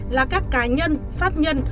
là các cá nhân pháp nhân